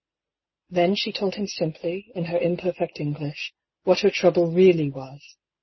Then she told him simply, in her imperfect English, what her trouble really was.